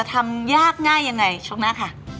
ทำยากง่ายยังไงช่วงหน้าค่ะ